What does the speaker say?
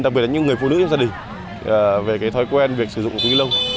đặc biệt là những người phụ nữ trong gia đình về cái thói quen việc sử dụng túi ni lông